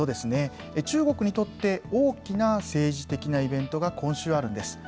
中国にとって、大きな政治的なイベントが今週あるんです。